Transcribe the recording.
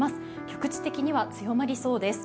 局地的には強まりそうです。